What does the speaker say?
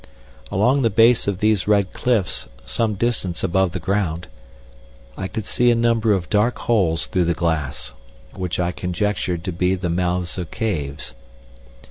Along the base of these red cliffs, some distance above the ground, I could see a number of dark holes through the glass, which I conjectured to be the mouths of caves.